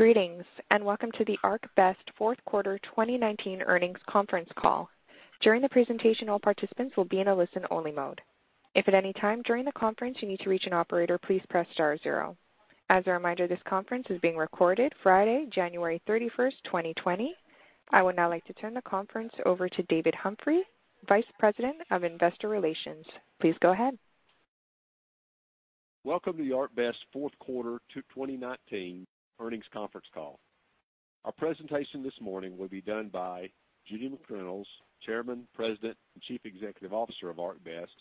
Greetings, and welcome to the ArcBest Fourth Quarter 2019 Earnings Conference Call. During the presentation, all participants will be in a listen-only mode. If at any time during the conference you need to reach an operator, please press star zero. As a reminder, this conference is being recorded Friday, January 31st, 2020. I would now like to turn the conference over to David Humphrey, Vice President of Investor Relations. Please go ahead. Welcome to the ArcBest Fourth Quarter 2019 Earnings Conference Call. Our presentation this morning will be done by Judy McReynolds, Chairman, President, and Chief Executive Officer of ArcBest,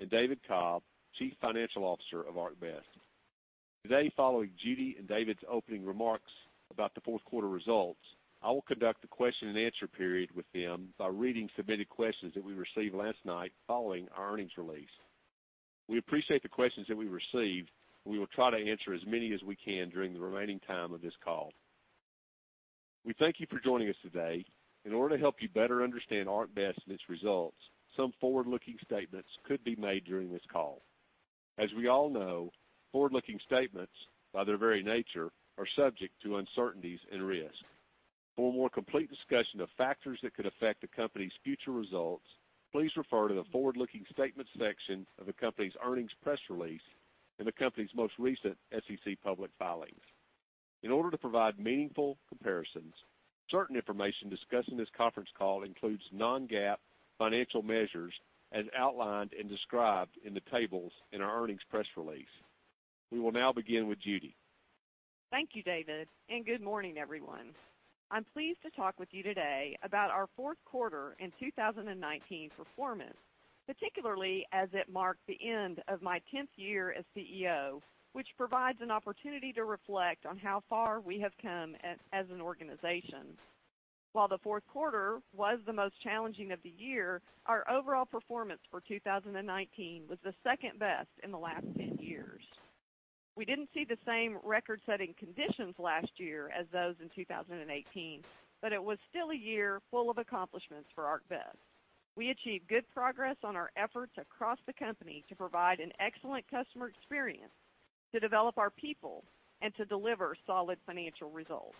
and David Cobb, Chief Financial Officer of ArcBest. Today, following Judy and David's opening remarks about the fourth quarter results, I will conduct a question-and-answer period with them by reading submitted questions that we received last night following our earnings release. We appreciate the questions that we received, and we will try to answer as many as we can during the remaining time of this call. We thank you for joining us today. In order to help you better understand ArcBest and its results, some forward-looking statements could be made during this call. As we all know, forward-looking statements, by their very nature, are subject to uncertainties and risks. For a more complete discussion of factors that could affect the company's future results, please refer to the Forward-Looking Statements section of the company's earnings press release and the company's most recent SEC public filings. In order to provide meaningful comparisons, certain information discussed in this conference call includes non-GAAP financial measures, as outlined and described in the tables in our earnings press release. We will now begin with Judy. Thank you, David, and good morning, everyone. I'm pleased to talk with you today about our fourth quarter and 2019 performance, particularly as it marked the end of my 10th year as CEO, which provides an opportunity to reflect on how far we have come as an organization. While the fourth quarter was the most challenging of the year, our overall performance for 2019 was the second best in the last 10 years. We didn't see the same record-setting conditions last year as those in 2018, but it was still a year full of accomplishments for ArcBest. We achieved good progress on our efforts across the company to provide an excellent customer experience, to develop our people, and to deliver solid financial results.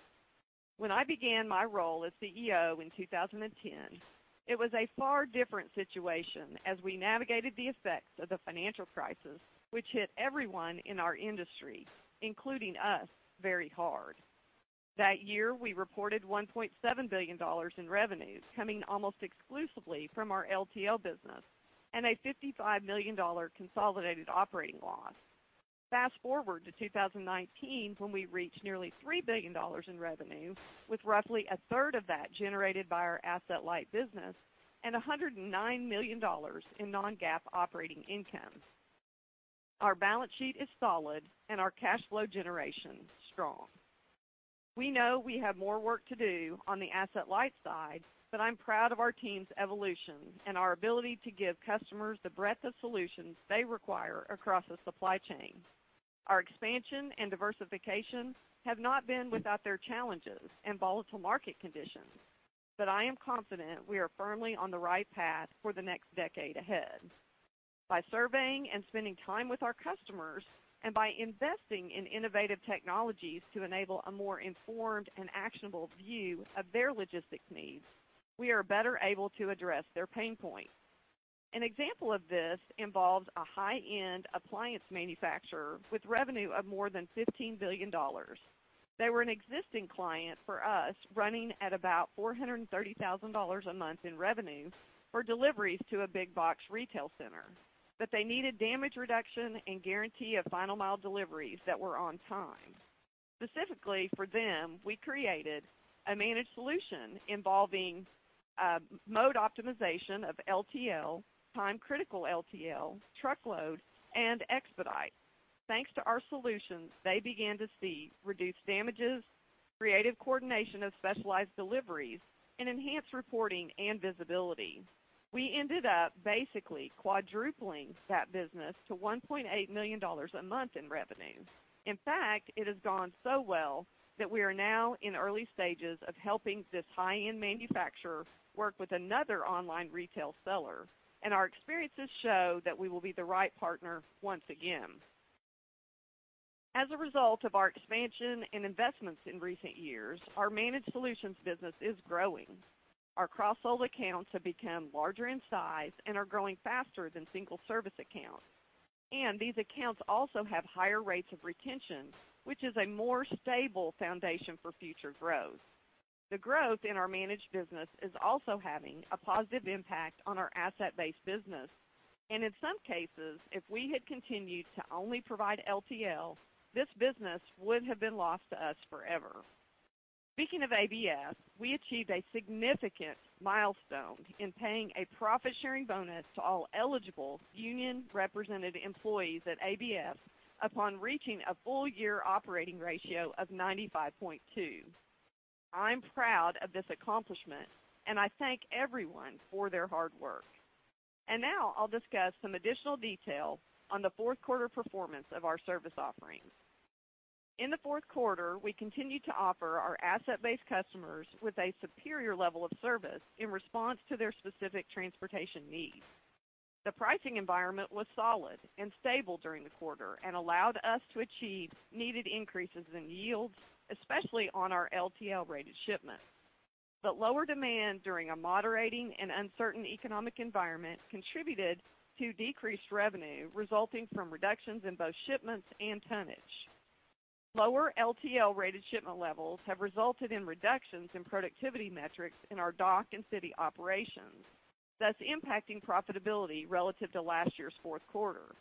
When I began my role as CEO in 2010, it was a far different situation as we navigated the effects of the financial crisis, which hit everyone in our industry, including us, very hard. That year, we reported $1.7 billion in revenues, coming almost exclusively from our LTL business, and a $55 million consolidated operating loss. Fast-forward to 2019, when we reached nearly $3 billion in revenue, with roughly a third of that generated by our Asset-Light business and $109 million in non-GAAP operating income. Our balance sheet is solid and our cash flow generation, strong. We know we have more work to do on the Asset-Light side, but I'm proud of our team's evolution and our ability to give customers the breadth of solutions they require across the supply chain. Our expansion and diversification have not been without their challenges and volatile market conditions, but I am confident we are firmly on the right path for the next decade ahead. By surveying and spending time with our customers, and by investing in innovative technologies to enable a more informed and actionable view of their logistics needs, we are better able to address their pain points. An example of this involves a high-end appliance manufacturer with revenue of more than $15 billion. They were an existing client for us, running at about $430,000 a month in revenue for deliveries to a big box retail center, but they needed damage reduction and guarantee of final mile deliveries that were on time. Specifically for them, we created a managed solution involving mode optimization of LTL, time-critical LTL, truckload, and expedite. Thanks to our solutions, they began to see reduced damages, creative coordination of specialized deliveries, and enhanced reporting and visibility. We ended up basically quadrupling that business to $1.8 million a month in revenue. In fact, it has gone so well that we are now in early stages of helping this high-end manufacturer work with another online retail seller, and our experiences show that we will be the right partner once again. As a result of our expansion and investments in recent years, our managed solutions business is growing. Our cross-sell accounts have become larger in size and are growing faster than single-service accounts. And these accounts also have higher rates of retention, which is a more stable foundation for future growth. The growth in our managed business is also having a positive impact on our Asset-Based business, and in some cases, if we had continued to only provide LTL, this business would have been lost to us forever. Speaking of ABF, we achieved a significant milestone in paying a profit-sharing bonus to all eligible union-represented employees at ABF upon reaching a full-year operating ratio of 95.2. I'm proud of this accomplishment, and I thank everyone for their hard work. And now I'll discuss some additional detail on the fourth quarter performance of our service offerings. In the fourth quarter, we continued to offer our Asset-Based customers with a superior level of service in response to their specific transportation needs.... The pricing environment was solid and stable during the quarter, and allowed us to achieve needed increases in yields, especially on our LTL-rated shipments. But lower demand during a moderating and uncertain economic environment contributed to decreased revenue, resulting from reductions in both shipments and tonnage. Lower LTL-rated shipment levels have resulted in reductions in productivity metrics in our dock and city operations, thus impacting profitability relative to last year's fourth quarter.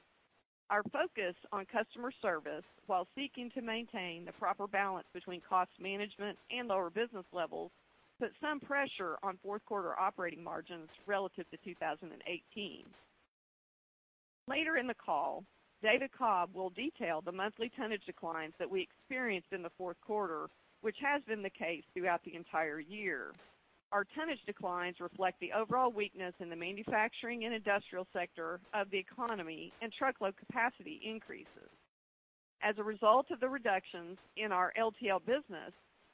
Our focus on customer service, while seeking to maintain the proper balance between cost management and lower business levels, put some pressure on fourth quarter operating margins relative to 2018. Later in the call, David Cobb will detail the monthly tonnage declines that we experienced in the fourth quarter, which has been the case throughout the entire year. Our tonnage declines reflect the overall weakness in the manufacturing and industrial sector of the economy and truckload capacity increases. As a result of the reductions in our LTL business,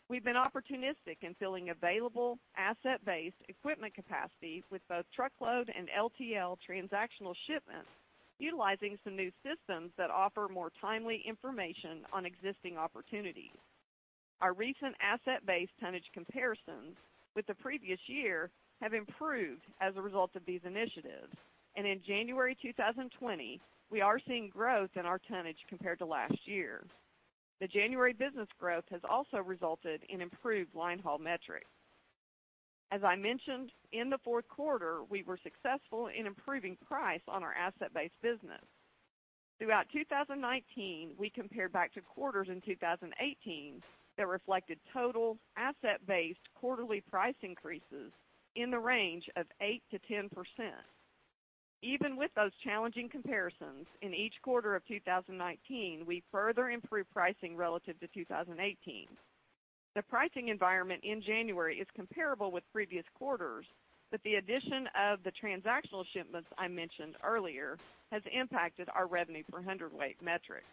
we've been opportunistic in filling available Asset-Based equipment capacity with both truckload and LTL transactional shipments, utilizing some new systems that offer more timely information on existing opportunities. Our recent Asset-Based tonnage comparisons with the previous year have improved as a result of these initiatives, and in January 2020, we are seeing growth in our tonnage compared to last year. The January business growth has also resulted in improved line haul metrics. As I mentioned, in the fourth quarter, we were successful in improving price on our Asset-Based business. Throughout 2019, we compared back to quarters in 2018 that reflected total Asset-Based quarterly price increases in the range of 8%-10%. Even with those challenging comparisons, in each quarter of 2019, we further improved pricing relative to 2018. The pricing environment in January is comparable with previous quarters, but the addition of the transactional shipments I mentioned earlier has impacted our revenue per hundredweight metrics.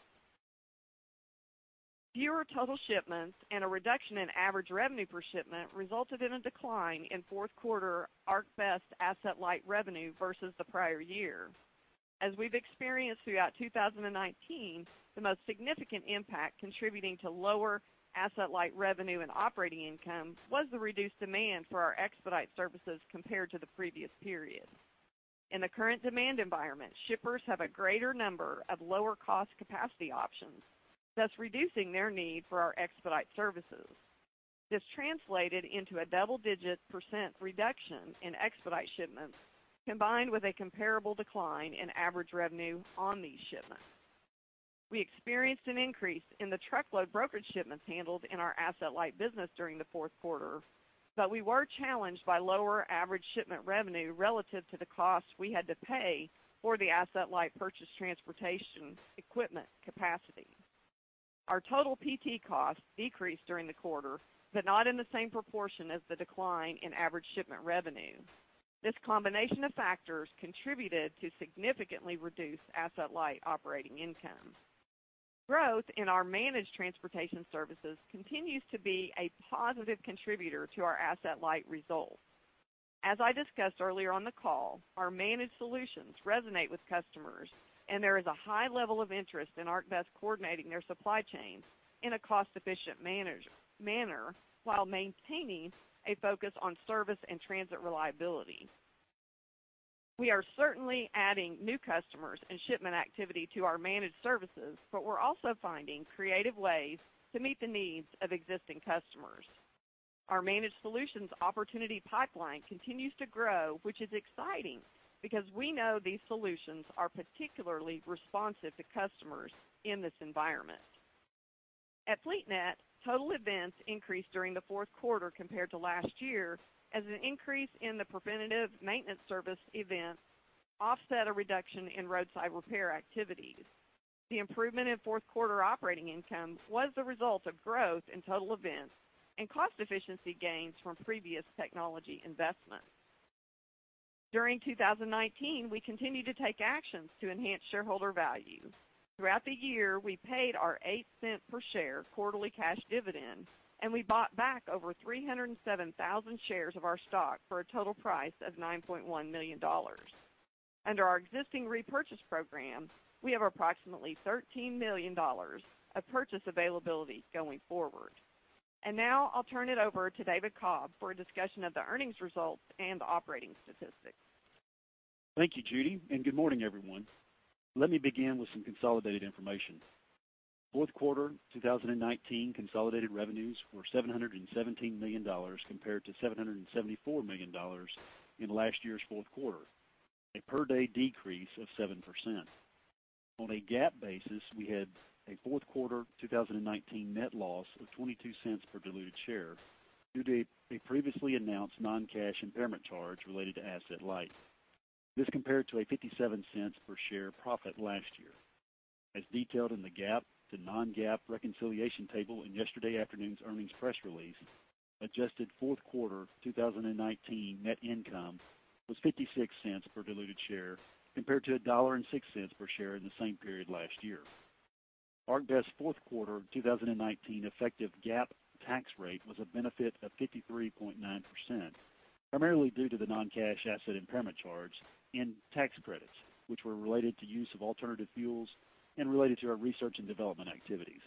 Fewer total shipments and a reduction in average revenue per shipment resulted in a decline in fourth quarter ArcBest Asset-Light revenue versus the prior year. As we've experienced throughout 2019, the most significant impact contributing to lower Asset-Light revenue and operating income was the reduced demand for our expedite services compared to the previous period. In the current demand environment, shippers have a greater number of lower cost capacity options, thus reducing their need for our expedite services. This translated into a double-digit % reduction in expedite shipments, combined with a comparable decline in average revenue on these shipments. We experienced an increase in the truckload brokerage shipments handled in our Asset-Light business during the fourth quarter, but we were challenged by lower average shipment revenue relative to the cost we had to pay for the Asset-Light purchase transportation equipment capacity. Our total PT costs decreased during the quarter, but not in the same proportion as the decline in average shipment revenue. This combination of factors contributed to significantly reduced Asset-Light operating income. Growth in our managed transportation services continues to be a positive contributor to our Asset-Light results. As I discussed earlier on the call, our managed solutions resonate with customers, and there is a high level of interest in ArcBest coordinating their supply chains in a cost-efficient manner, while maintaining a focus on service and transit reliability. We are certainly adding new customers and shipment activity to our managed services, but we're also finding creative ways to meet the needs of existing customers. Our managed solutions opportunity pipeline continues to grow, which is exciting, because we know these solutions are particularly responsive to customers in this environment. At FleetNet, total events increased during the fourth quarter compared to last year, as an increase in the preventative maintenance service events offset a reduction in roadside repair activities. The improvement in fourth quarter operating income was the result of growth in total events and cost efficiency gains from previous technology investments. During 2019, we continued to take actions to enhance shareholder value. Throughout the year, we paid our $0.08 per share quarterly cash dividend, and we bought back over 307,000 shares of our stock for a total price of $9.1 million. Under our existing Repurchase Program, we have approximately $13 million of purchase availability going forward. Now I'll turn it over to David Cobb for a discussion of the earnings results and operating statistics. Thank you, Judy, and good morning, everyone. Let me begin with some consolidated information. Fourth quarter 2019 consolidated revenues were $717 million compared to $774 million in last year's fourth quarter, a per-day decrease of 7%. On a GAAP basis, we had a fourth quarter 2019 net loss of $0.22 per diluted share due to a previously announced non-cash impairment charge related to Asset-Light. This compared to a $0.57 per share profit last year. As detailed in the GAAP to non-GAAP reconciliation table in yesterday afternoon's earnings press release, adjusted fourth quarter 2019 net income was $0.56 per diluted share, compared to $1.06 per share in the same period last year. ArcBest's fourth quarter 2019 effective GAAP tax rate was a benefit of 53.9%, primarily due to the non-cash asset impairment charge and tax credits, which were related to use of alternative fuels and related to our research and development activities.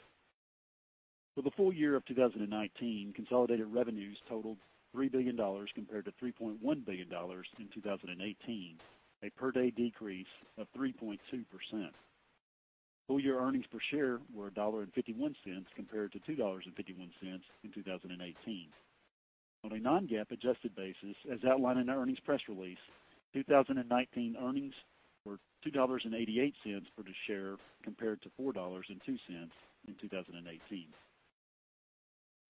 For the full year of 2019, consolidated revenues totaled $3 billion compared to $3.1 billion in 2018, a per-day decrease of 3.2%. Full year earnings per share were $1.51, compared to $2.51 in 2018. On a non-GAAP adjusted basis, as outlined in our earnings press release, 2019 earnings were $2.88 per share, compared to $4.02 in 2018.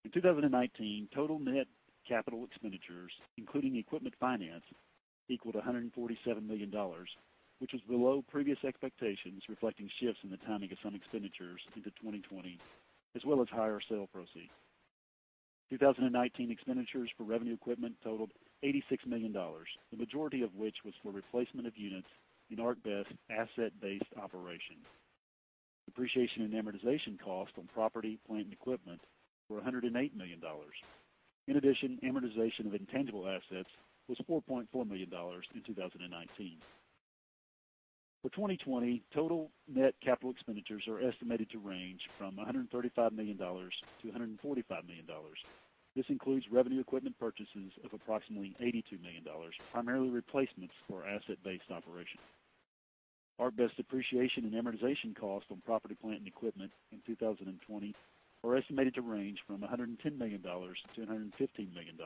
In 2019, total net capital expenditures, including equipment finance, equaled $147 million, which was below previous expectations, reflecting shifts in the timing of some expenditures into 2020, as well as higher sale proceeds. 2019 expenditures for revenue equipment totaled $86 million, the majority of which was for replacement of units in ArcBest Asset-Based operations. Depreciation and amortization costs on property, plant, and equipment were $108 million. In addition, amortization of intangible assets was $4.4 million in 2019. For 2020, total net capital expenditures are estimated to range from $135 million-$145 million. This includes revenue equipment purchases of approximately $82 million, primarily replacements for Asset-Based operations. ArcBest depreciation and amortization costs on property, plant, and equipment in 2020 are estimated to range from $110 million-$115 million.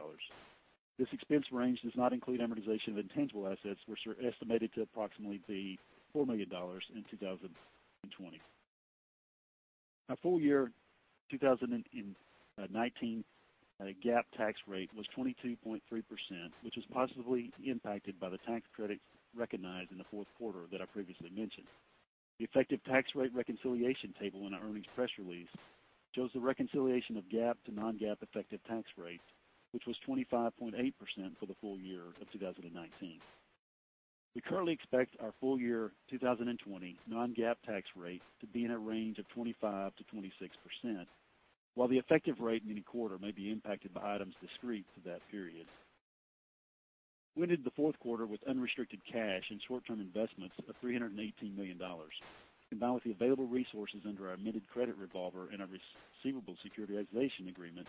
This expense range does not include amortization of intangible assets, which are estimated to approximately be $4 million in 2020. Our full year 2019 GAAP tax rate was 22.3%, which was positively impacted by the tax credits recognized in the fourth quarter that I previously mentioned. The effective tax rate reconciliation table in our earnings press release shows the reconciliation of GAAP to non-GAAP effective tax rate, which was 25.8% for the full year of 2019. We currently expect our full year 2020 non-GAAP tax rate to be in a range of 25%-26%, while the effective rate in any quarter may be impacted by items discrete to that period. We ended the fourth quarter with unrestricted cash and short-term investments of $318 million. Combined with the available resources under our amended credit revolver and our receivable securitization agreement,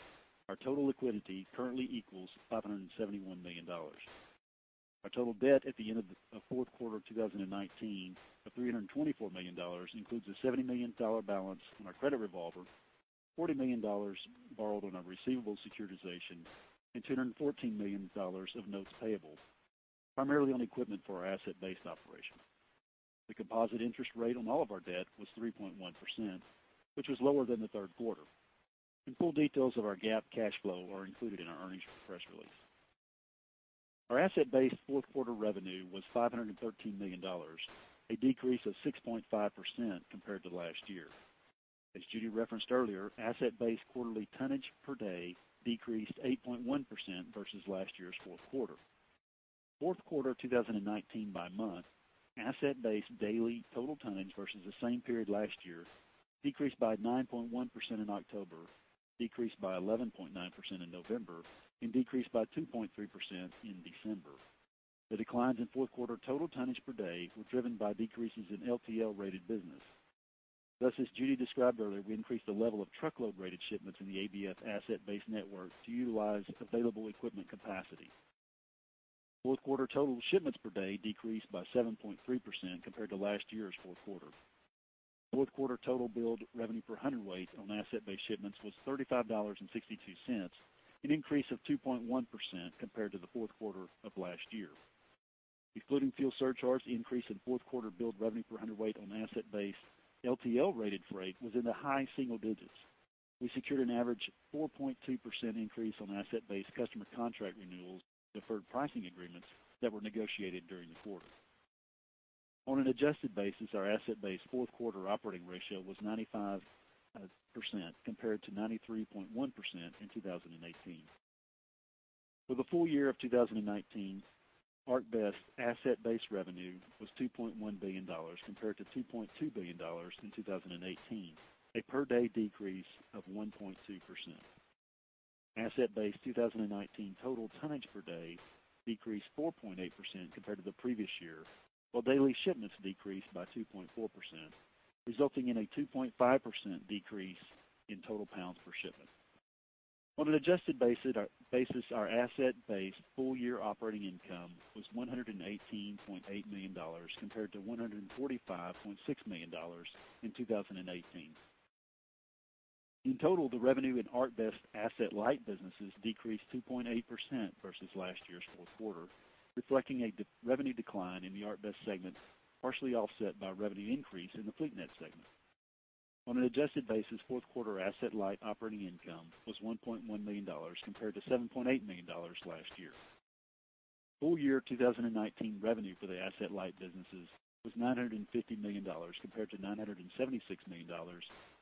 our total liquidity currently equals $571 million. Our total debt at the end of the fourth quarter of 2019 of $324 million includes a $70 million balance on our credit revolver, $40 million borrowed on our receivable securitization, and $214 million of notes payable, primarily on equipment for our Asset-Based operation. The composite interest rate on all of our debt was 3.1%, which was lower than the third quarter. The full details of our GAAP cash flow are included in our earnings press release. Our Asset-Based fourth quarter revenue was $513 million, a decrease of 6.5% compared to last year. As Judy referenced earlier, Asset-Based quarterly tonnage per day decreased 8.1% versus last year's fourth quarter. Fourth quarter 2019 by month, Asset-Based daily total tonnage versus the same period last year decreased by 9.1% in October, decreased by 11.9% in November, and decreased by 2.3% in December. The declines in fourth quarter total tonnage per day were driven by decreases in LTL-rated business. Thus, as Judy described earlier, we increased the level of truckload-rated shipments in the ABF Asset-Based network to utilize available equipment capacity. Fourth quarter total shipments per day decreased by 7.3% compared to last year's fourth quarter. Fourth quarter total billed revenue per hundredweight on Asset-Based shipments was $35.62, an increase of 2.1% compared to the fourth quarter of last year. Excluding fuel surcharge, the increase in fourth quarter billed revenue per hundredweight on Asset-Based LTL-rated freight was in the high single digits. We secured an average 4.2% increase on Asset-Based customer contract renewals, deferred pricing agreements that were negotiated during the quarter. On an adjusted basis, our Asset-Based fourth quarter operating ratio was 95%, compared to 93.1% in 2018. For the full year of 2019, ArcBest Asset-Based revenue was $2.1 billion, compared to $2.2 billion in 2018, a per-day decrease of 1.2%. Asset-Based 2019 total tonnage per day decreased 4.8% compared to the previous year, while daily shipments decreased by 2.4%, resulting in a 2.5% decrease in total pounds per shipment. On an adjusted basis, our Asset-Based full-year operating income was $118.8 million, compared to $145.6 million in 2018. In total, the revenue in ArcBest Asset-Light businesses decreased 2.8% versus last year's fourth quarter, reflecting a revenue decline in the ArcBest segments, partially offset by revenue increase in the FleetNet segment. On an adjusted basis, fourth quarter Asset-Light operating income was $1.1 million, compared to $7.8 million last year. Full year 2019 revenue for the Asset-Light businesses was $950 million, compared to $976 million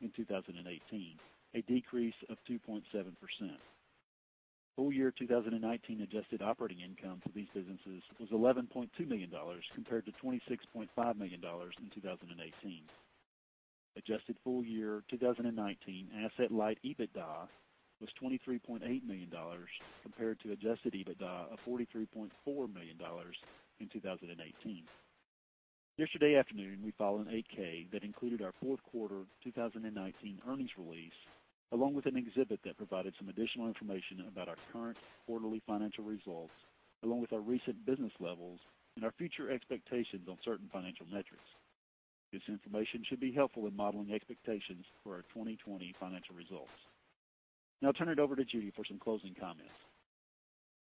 in 2018, a decrease of 2.7%....Full year 2019 adjusted operating income for these businesses was $11.2 million, compared to $26.5 million in 2018. Adjusted full year 2019 Asset-Light EBITDA was $23.8 million, compared to Adjusted EBITDA of $43.4 million in 2018. Yesterday afternoon, we filed an 8-K that included our fourth quarter 2019 earnings release, along with an exhibit that provided some additional information about our current quarterly financial results, along with our recent business levels and our future expectations on certain financial metrics. This information should be helpful in modeling expectations for our 2020 financial results. Now I'll turn it over to Judy for some closing comments.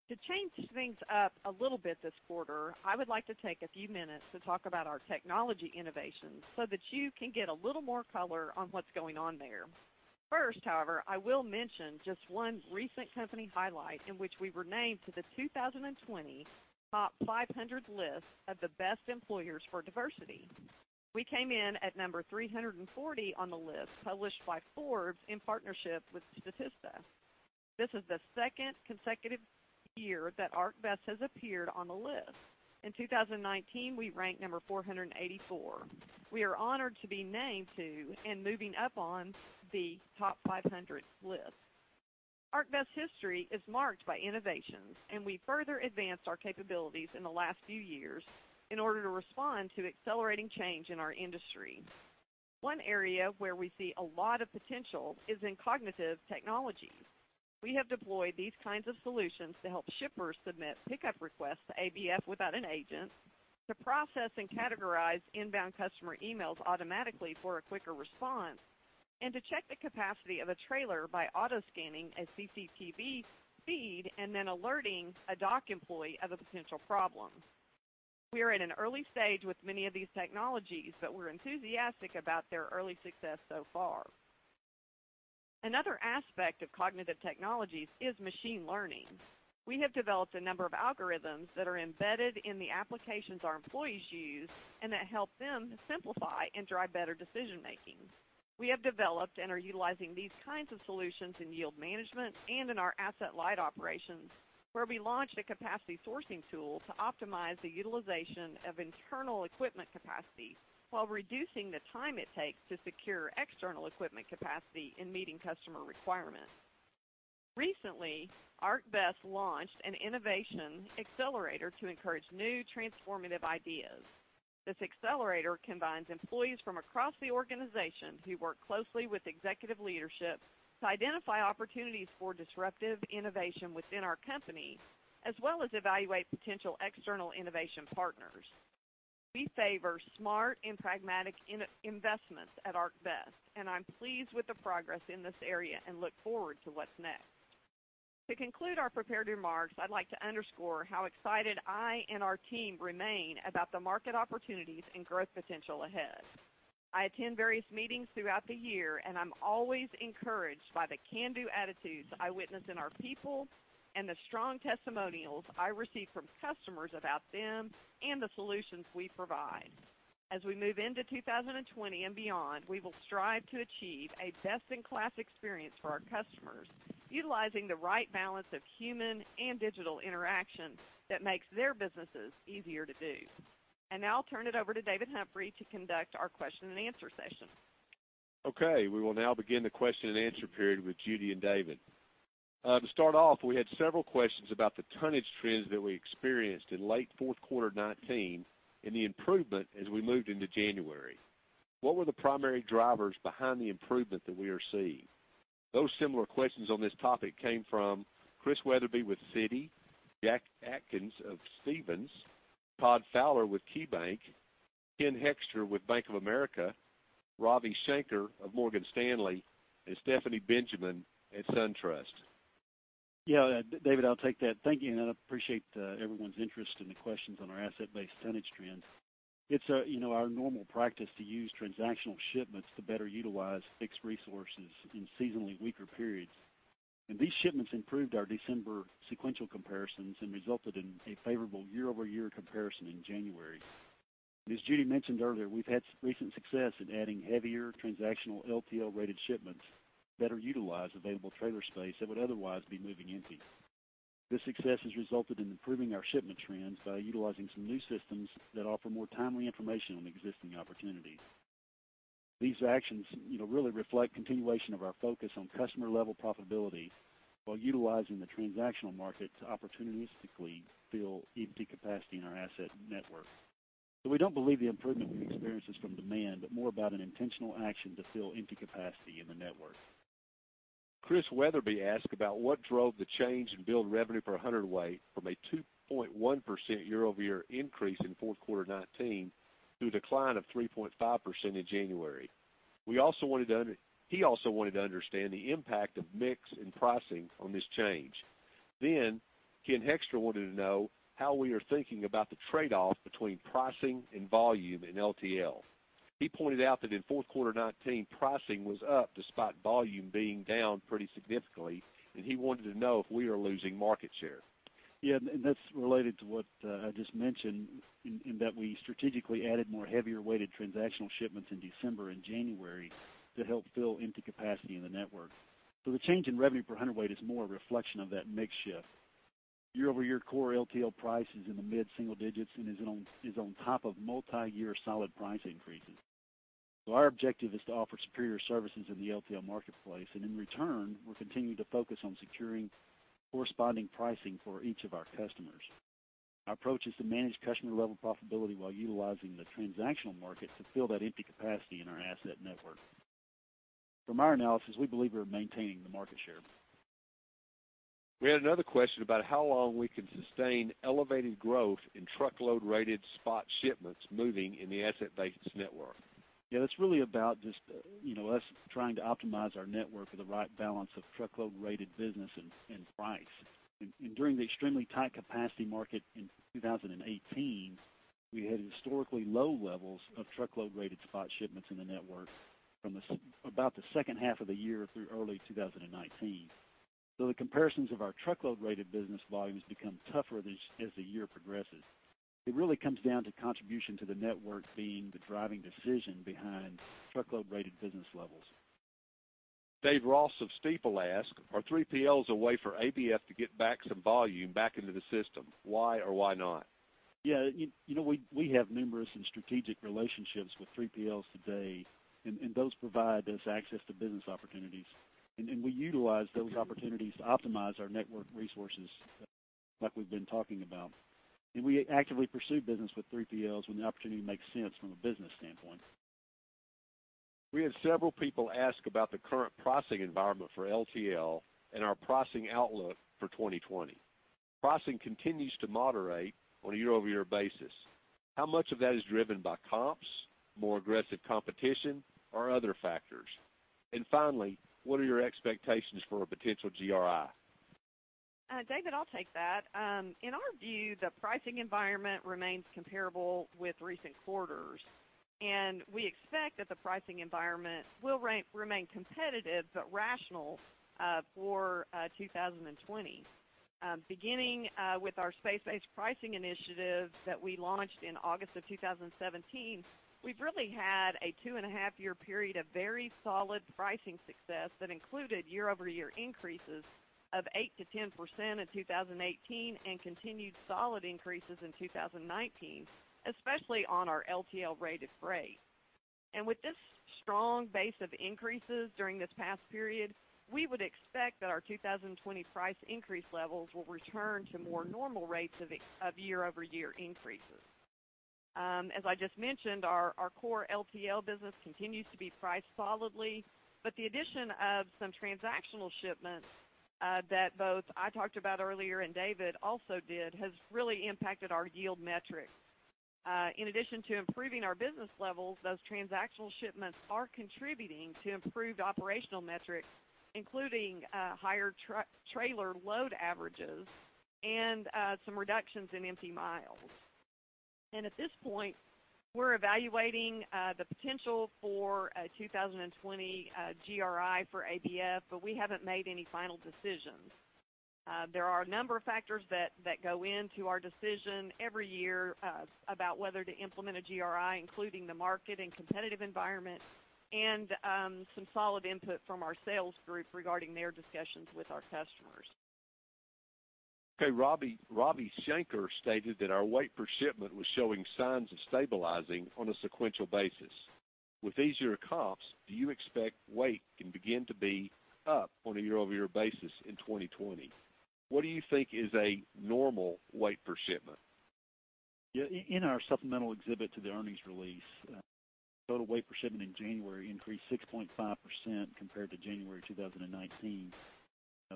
To change things up a little bit this quarter, I would like to take a few minutes to talk about our technology innovations so that you can get a little more color on what's going on there. First, however, I will mention just one recent company highlight in which we were named to the 2020 Top 500 list of the Best Employers for Diversity. We came in at number 340 on the list, published by Forbes in partnership with Statista. This is the second consecutive year that ArcBest has appeared on the list. In 2019, we ranked number 484. We are honored to be named to, and moving up on, the Top 500 list. ArcBest history is marked by innovations, and we further advanced our capabilities in the last few years in order to respond to accelerating change in our industry. One area where we see a lot of potential is in cognitive technologies. We have deployed these kinds of solutions to help shippers submit pickup requests to ABF without an agent, to process and categorize inbound customer emails automatically for a quicker response, and to check the capacity of a trailer by auto-scanning a CCTV feed and then alerting a dock employee of a potential problem. We are in an early stage with many of these technologies, but we're enthusiastic about their early success so far. Another aspect of cognitive technologies is machine learning. We have developed a number of algorithms that are embedded in the applications our employees use, and that help them simplify and drive better decision making. We have developed and are utilizing these kinds of solutions in yield management and in our Asset-Light operations, where we launched a capacity sourcing tool to optimize the utilization of internal equipment capacity while reducing the time it takes to secure external equipment capacity in meeting customer requirements. Recently, ArcBest launched an innovation accelerator to encourage new transformative ideas. This accelerator combines employees from across the organization, who work closely with executive leadership to identify opportunities for disruptive innovation within our company, as well as evaluate potential external innovation partners. We favor smart and pragmatic investments at ArcBest, and I'm pleased with the progress in this area and look forward to what's next. To conclude our prepared remarks, I'd like to underscore how excited I and our team remain about the market opportunities and growth potential ahead. I attend various meetings throughout the year, and I'm always encouraged by the can-do attitudes I witness in our people, and the strong testimonials I receive from customers about them and the solutions we provide. As we move into 2020 and beyond, we will strive to achieve a best-in-class experience for our customers, utilizing the right balance of human and digital interactions that makes their businesses easier to do. And now I'll turn it over to David Humphrey to conduct our question and answer session. Okay, we will now begin the question and answer period with Judy and David. To start off, we had several questions about the tonnage trends that we experienced in late fourth quarter 2019, and the improvement as we moved into January. What were the primary drivers behind the improvement that we are seeing? Those similar questions on this topic came from Chris Wetherbee with Citi, Jack Atkins of Stephens, Todd Fowler with KeyBanc, Ken Hoexter with Bank of America, Ravi Shanker of Morgan Stanley, and Stephanie Benjamin at SunTrust. Yeah, David, I'll take that. Thank you, and I appreciate everyone's interest in the questions on our Asset-Based tonnage trends. It's, you know, our normal practice to use transactional shipments to better utilize fixed resources in seasonally weaker periods. And these shipments improved our December sequential comparisons and resulted in a favorable year-over-year comparison in January. As Judy mentioned earlier, we've had recent success in adding heavier transactional LTL-rated shipments to better utilize available trailer space that would otherwise be moving empty. This success has resulted in improving our shipment trends by utilizing some new systems that offer more timely information on existing opportunities. These actions, you know, really reflect continuation of our focus on customer-level profitability while utilizing the transactional market to opportunistically fill empty capacity in our asset network. We don't believe the improvement we experienced is from demand, but more about an intentional action to fill empty capacity in the network. Chris Wetherbee asked about what drove the change in bill revenue per hundred weight from a 2.1% year-over-year increase in fourth quarter 2019 to a decline of 3.5% in January. We also wanted to he also wanted to understand the impact of mix and pricing on this change. Ken Hoexter wanted to know how we are thinking about the trade-off between pricing and volume in LTL. He pointed out that in fourth quarter 2019, pricing was up, despite volume being down pretty significantly, and he wanted to know if we are losing market share. ... Yeah, and that's related to what I just mentioned, in that we strategically added more heavier weighted transactional shipments in December and January to help fill empty capacity in the network. So the change in revenue per hundredweight is more a reflection of that mix shift. Year-over-year core LTL price is in the mid-single digits and is on top of multiyear solid price increases. So our objective is to offer superior services in the LTL marketplace, and in return, we're continuing to focus on securing corresponding pricing for each of our customers. Our approach is to manage customer level profitability while utilizing the transactional markets to fill that empty capacity in our asset network. From our analysis, we believe we're maintaining the market share. We had another question about how long we can sustain elevated growth in truckload-rated spot shipments moving in the Asset-Based network. Yeah, that's really about just, you know, us trying to optimize our network for the right balance of truckload-rated business and during the extremely tight capacity market in 2018, we had historically low levels of truckload-rated spot shipments in the network from about the second half of the year through early 2019. So the comparisons of our truckload-rated business volumes become tougher as the year progresses. It really comes down to contribution to the network being the driving decision behind truckload-rated business levels. Dave Ross of Stifel asked, "Are 3PLs a way for ABF to get back some volume back into the system? Why or why not? Yeah, you know, we have numerous and strategic relationships with 3PLs today, and those provide us access to business opportunities. And we utilize those opportunities to optimize our network resources, like we've been talking about. And we actively pursue business with 3PLs when the opportunity makes sense from a business standpoint. We had several people ask about the current pricing environment for LTL and our pricing outlook for 2020. Pricing continues to moderate on a year-over-year basis. How much of that is driven by comps, more aggressive competition, or other factors? And finally, what are your expectations for a potential GRI? David, I'll take that. In our view, the pricing environment remains comparable with recent quarters, and we expect that the pricing environment will remain competitive but rational for 2020. Beginning with our space-based pricing initiatives that we launched in August of 2017, we've really had a two and a half-year period of very solid pricing success that included year-over-year increases of 8%-10% in 2018, and continued solid increases in 2019, especially on our LTL-rated freight. With this strong base of increases during this past period, we would expect that our 2020 price increase levels will return to more normal rates of year-over-year increases. As I just mentioned, our core LTL business continues to be priced solidly, but the addition of some transactional shipments that both I talked about earlier and David also did has really impacted our yield metrics. In addition to improving our business levels, those transactional shipments are contributing to improved operational metrics, including higher truck-trailer load averages and some reductions in empty miles. At this point, we're evaluating the potential for a 2020 GRI for ABF, but we haven't made any final decisions. There are a number of factors that go into our decision every year about whether to implement a GRI, including the market and competitive environment, and some solid input from our sales group regarding their discussions with our customers. Okay, Ravi Shanker stated that our weight per shipment was showing signs of stabilizing on a sequential basis. With easier comps, do you expect weight can begin to be up on a year-over-year basis in 2020? What do you think is a normal weight per shipment? Yeah, in our supplemental exhibit to the earnings release, total weight per shipment in January increased 6.5% compared to January 2019,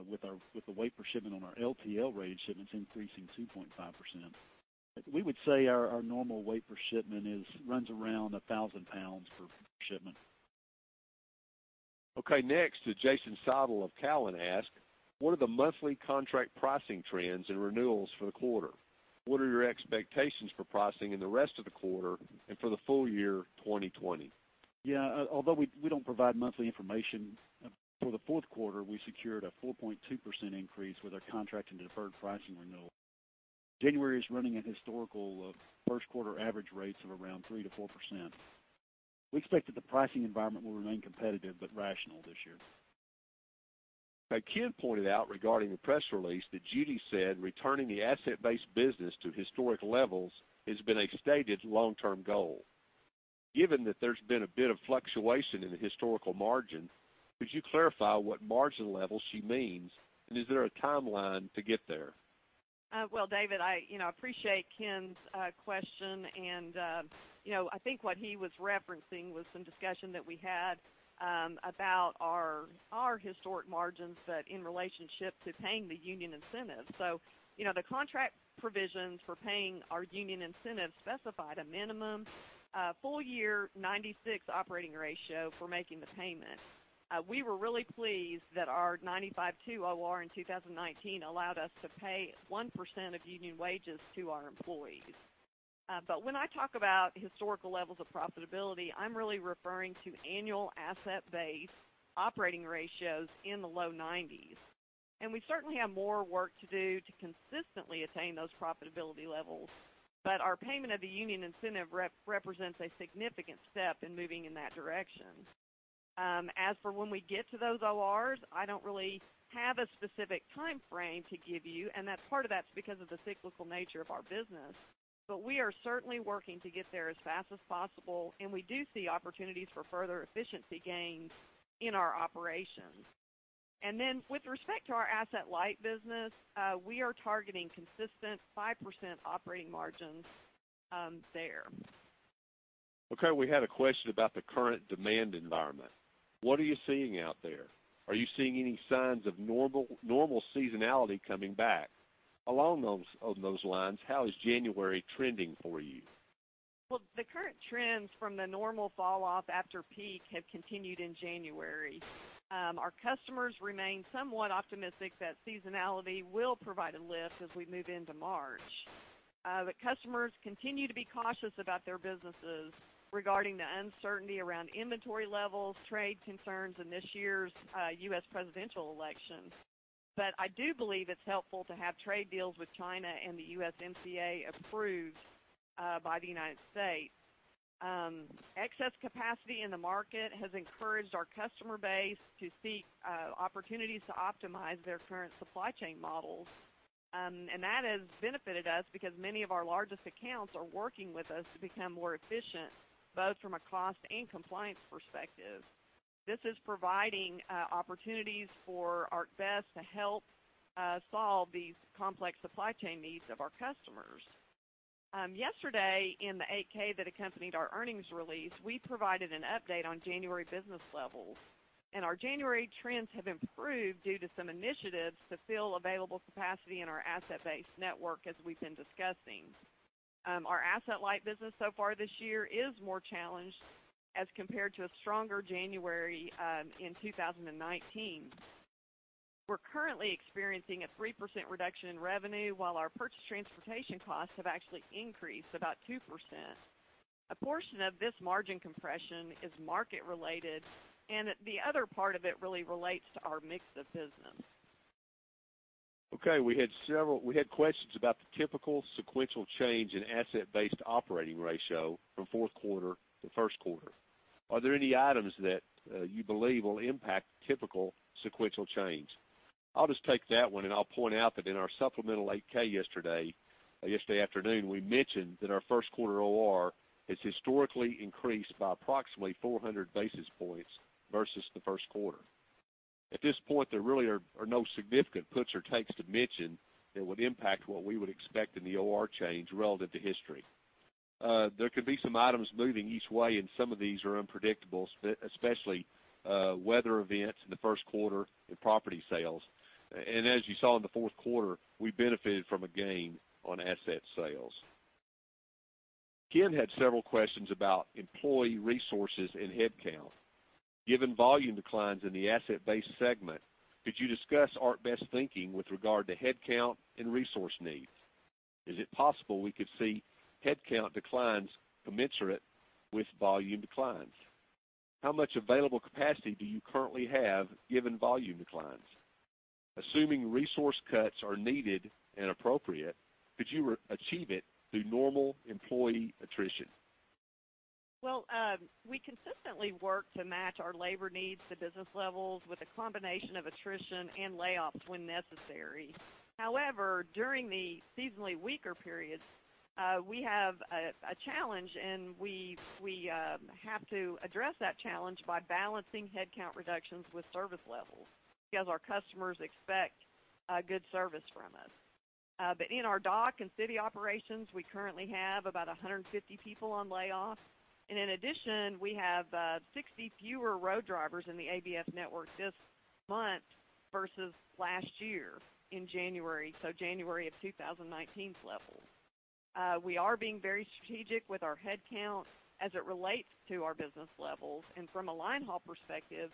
with the weight per shipment on our LTL-rated shipments increasing 2.5%. We would say our normal weight per shipment runs around 1,000 lbs per shipment. Okay, next, Jason Seidl of Cowen asked, "What are the monthly contract pricing trends and renewals for the quarter? What are your expectations for pricing in the rest of the quarter and for the full year 2020? Yeah, although we don't provide monthly information, for the fourth quarter, we secured a 4.2% increase with our contract and deferred pricing renewal. January is running a historical first quarter average rates of around 3%-4%. We expect that the pricing environment will remain competitive but rational this year. Now, I can pointed out regarding the press release, that Judy said, returning the Asset-Based business to historic levels has been a stated long-term goal. Given that there's been a bit of fluctuation in the historical margin, could you clarify what margin level she means, and is there a timeline to get there? Well, David, I you know appreciate Ken's question, and you know I think what he was referencing was some discussion that we had about our historical margins, but in relationship to paying the union incentive. So, you know, the contract provisions for paying our union incentive specified a minimum full-year 96 operating ratio for making the payment. We were really pleased that our 95.2 OR in 2019 allowed us to pay 1% of union wages to our employees... but when I talk about historical levels of profitability, I'm really referring to annual Asset-Based operating ratios in the low 90s. And we certainly have more work to do to consistently attain those profitability levels, but our payment of the union incentive represents a significant step in moving in that direction. As for when we get to those ORs, I don't really have a specific timeframe to give you, and that's part of that's because of the cyclical nature of our business. But we are certainly working to get there as fast as possible, and we do see opportunities for further efficiency gains in our operations. And then, with respect to our Asset-Light business, we are targeting consistent 5% operating margins there. Okay, we had a question about the current demand environment. What are you seeing out there? Are you seeing any signs of normal, normal seasonality coming back? Along those, on those lines, how is January trending for you? Well, the current trends from the normal falloff after peak have continued in January. Our customers remain somewhat optimistic that seasonality will provide a lift as we move into March. But customers continue to be cautious about their businesses regarding the uncertainty around inventory levels, trade concerns, and this year's US presidential elections. But I do believe it's helpful to have trade deals with China and the USMCA approved by the United States. Excess capacity in the market has encouraged our customer base to seek opportunities to optimize their current supply chain models. And that has benefited us because many of our largest accounts are working with us to become more efficient, both from a cost and compliance perspective. This is providing opportunities for ArcBest to help solve these complex supply chain needs of our customers. Yesterday, in the 8-K that accompanied our earnings release, we provided an update on January business levels, and our January trends have improved due to some initiatives to fill available capacity in our Asset-Based network, as we've been discussing. Our Asset-Light business so far this year is more challenged as compared to a stronger January in 2019. We're currently experiencing a 3% reduction in revenue, while our purchased transportation costs have actually increased about 2%. A portion of this margin compression is market related, and the other part of it really relates to our mix of business. Okay, we had several... We had questions about the typical sequential change in Asset-Based operating ratio from fourth quarter to first quarter. Are there any items that you believe will impact typical sequential change? I'll just take that one, and I'll point out that in our supplemental 8-K yesterday, yesterday afternoon, we mentioned that our first quarter OR has historically increased by approximately 400 basis points versus the first quarter. At this point, there really are no significant puts or takes to mention that would impact what we would expect in the OR change relative to history. There could be some items moving each way, and some of these are unpredictable, especially weather events in the first quarter in property sales. And as you saw in the fourth quarter, we benefited from a gain on asset sales. Ken had several questions about employee resources and headcount. Given volume declines in the Asset-Based segment, could you discuss ArcBest thinking with regard to headcount and resource needs? Is it possible we could see headcount declines commensurate with volume declines? How much available capacity do you currently have given volume declines? Assuming resource cuts are needed and appropriate, could you re-achieve it through normal employee attrition? Well, we consistently work to match our labor needs to business levels with a combination of attrition and layoffs when necessary. However, during the seasonally weaker periods, we have a challenge, and we have to address that challenge by balancing headcount reductions with service levels, because our customers expect a good service from us. But in our dock and city operations, we currently have about 150 people on layoffs. In addition, we have 60 fewer road drivers in the ABF network this month versus last year in January, so January of 2019's levels. We are being very strategic with our headcount as it relates to our business levels. From a line haul perspective,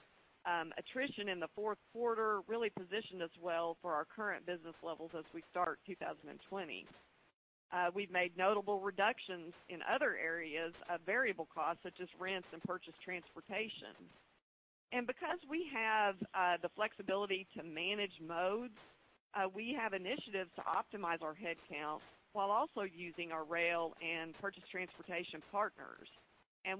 attrition in the fourth quarter really positioned us well for our current business levels as we start 2020. We've made notable reductions in other areas of variable costs, such as rents and purchase transportation. Because we have the flexibility to manage modes, we have initiatives to optimize our headcount while also using our rail and purchase transportation partners.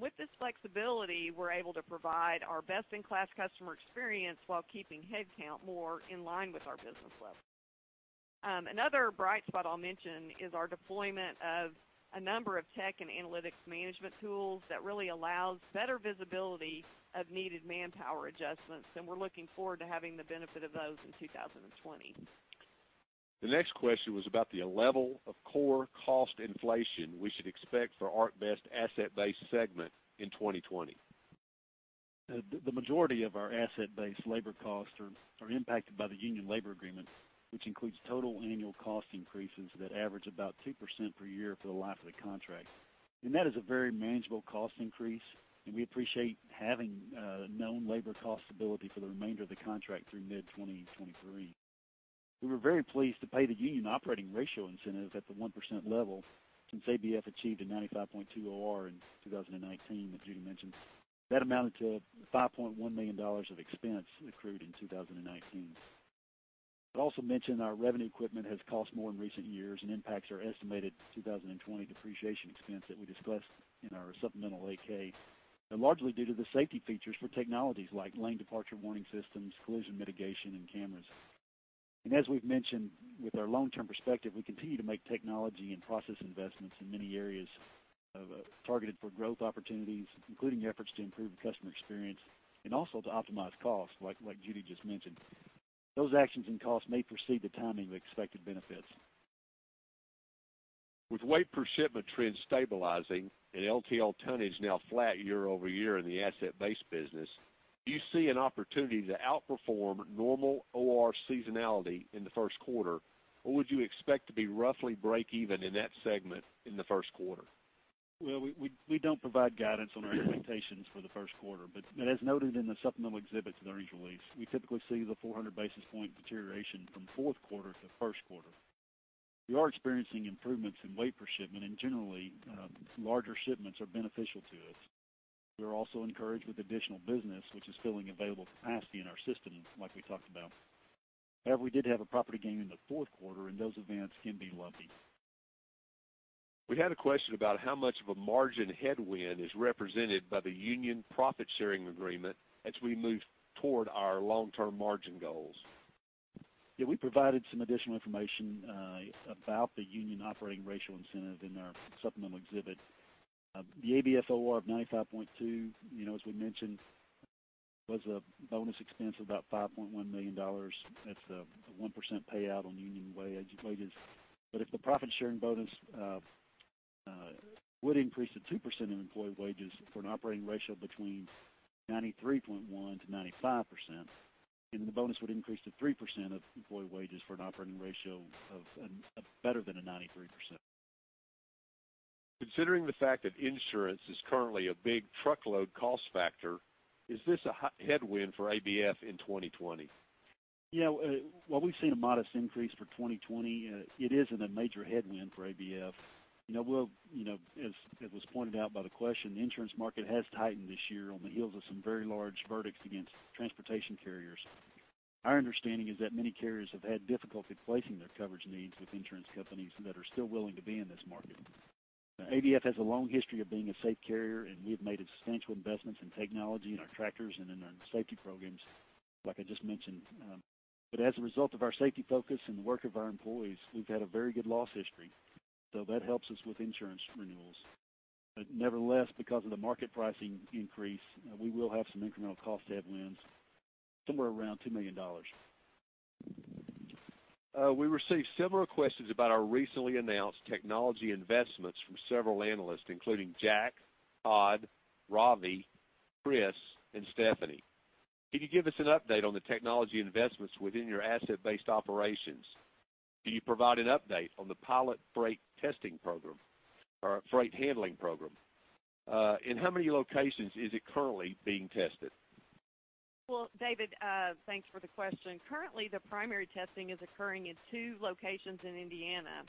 With this flexibility, we're able to provide our best-in-class customer experience while keeping headcount more in line with our business levels. Another bright spot I'll mention is our deployment of a number of tech and analytics management tools that really allows better visibility of needed manpower adjustments, and we're looking forward to having the benefit of those in 2020. The next question was about the level of core cost inflation we should expect for ArcBest Asset-Based segment in 2020. The majority of our Asset-Based labor costs are impacted by the union labor agreements, which includes total annual cost increases that average about 2% per year for the life of the contract. And that is a very manageable cost increase, and we appreciate having known labor cost stability for the remainder of the contract through mid-2023. We were very pleased to pay the union operating ratio incentive at the 1% level, since ABF achieved a 95.2 OR in 2019, as Judy mentioned. That amounted to $5.1 million of expense accrued in 2019. I'd also mention our revenue equipment has cost more in recent years, and the impacts to our estimated 2020 depreciation expense that we discussed in our supplemental 8-K are largely due to the safety features for technologies like lane departure warning systems, collision mitigation, and cameras. As we've mentioned, with our long-term perspective, we continue to make technology and process investments in many areas targeted for growth opportunities, including efforts to improve the customer experience, and also to optimize costs, like Judy just mentioned. Those actions and costs may precede the timing of expected benefits. With weight per shipment trend stabilizing and LTL tonnage now flat year-over-year in the Asset-Based business, do you see an opportunity to outperform normal OR seasonality in the first quarter, or would you expect to be roughly break even in that segment in the first quarter? Well, we don't provide guidance on our expectations for the first quarter, but as noted in the supplemental exhibits in the earnings release, we typically see the 400 basis point deterioration from fourth quarter to first quarter. We are experiencing improvements in weight per shipment, and generally, larger shipments are beneficial to us. We're also encouraged with additional business, which is filling available capacity in our systems, like we talked about. However, we did have a property gain in the fourth quarter, and those events can be lumpy. We had a question about how much of a margin headwind is represented by the union profit sharing agreement as we move toward our long-term margin goals. Yeah, we provided some additional information about the union operating ratio incentive in our supplemental exhibit. The ABF OR of 95.2, you know, as we mentioned, was a bonus expense of about $5.1 million. That's a 1% payout on union wages. But if the profit sharing bonus would increase to 2% of employee wages for an operating ratio between 93.1%-95%, and the bonus would increase to 3% of employee wages for an operating ratio of better than a 93%. Considering the fact that insurance is currently a big truckload cost factor, is this a headwind for ABF in 2020? Yeah, while we've seen a modest increase for 2020, it isn't a major headwind for ABF. You know, we'll, you know, as was pointed out by the question, the insurance market has tightened this year on the heels of some very large verdicts against transportation carriers. Our understanding is that many carriers have had difficulty placing their coverage needs with insurance companies that are still willing to be in this market. ABF has a long history of being a safe carrier, and we have made substantial investments in technology, in our tractors, and in our safety programs, like I just mentioned. But as a result of our safety focus and the work of our employees, we've had a very good loss history, so that helps us with insurance renewals. But nevertheless, because of the market pricing increase, we will have some incremental cost headwinds, somewhere around $2 million. We received several questions about our recently announced technology investments from several analysts, including Jack, Todd, Ravi, Chris, and Stephanie. Can you give us an update on the technology investments within your Asset-Based operations? Can you provide an update on the pilot freight testing program or freight handling program? In how many locations is it currently being tested? Well, David, thanks for the question. Currently, the primary testing is occurring in two locations in Indiana.